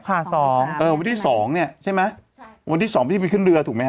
ค่ะสองเออวันที่สองเนี่ยใช่ไหมใช่วันที่สองพี่ไปขึ้นเรือถูกไหมฮ